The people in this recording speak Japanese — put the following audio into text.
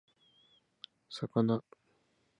さかなは水族館に住んでいます